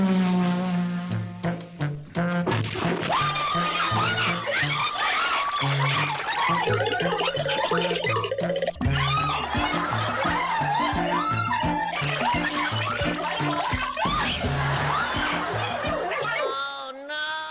โอ้โน้ต